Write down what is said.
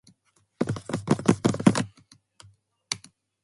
Another popular type is the versionable type.